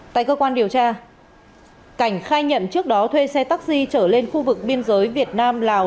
tại cơ quan điều tra cảnh khai nhận trước đó thuê xe taxi trở lên khu vực biên giới việt nam lào